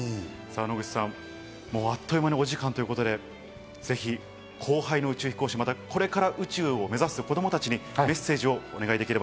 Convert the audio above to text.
野口さん、あっという間にお時間ということで、ぜひ後輩の宇宙飛行士、これから宇宙を目指す子供たちにメッセージをお願いします。